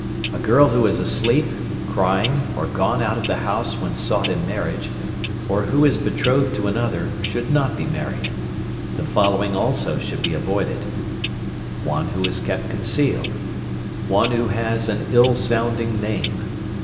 A girl who is asleep, crying, or gone out of the house when sought in marriage, or who is betrothed to another, should not be married. The following also should be avoided: One who is kept concealed. One who has an ill sounding name.